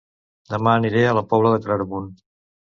Dema aniré a La Pobla de Claramunt